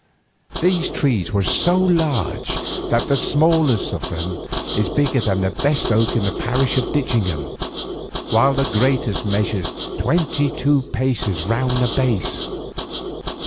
These trees are so large that the smallest of them is bigger than the best oak in this parish of Ditchingham, while the greatest measures twenty two paces round the base.